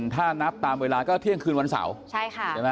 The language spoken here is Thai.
ก็นับตามเวลาก็เที่ยงคืนวันเสาร์